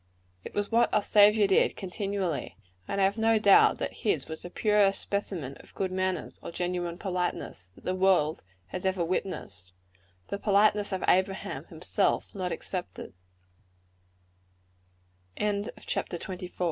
It was what our Saviour did continually; and I have no doubt that his was the purest specimen of good manners, or genuine politeness, the world has ever witnessed the politeness of Abraham himself not excepted. CHAPTER XXV. HEALTH AND BEAUTY.